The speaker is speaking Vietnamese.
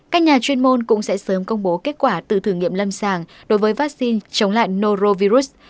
các nhà chuyên môn cũng sẽ sớm công bố kết quả từ thử nghiệm lâm sàng đối với vắc xin chống lại norovirus